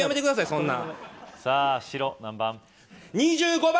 そんなんさぁ白何番？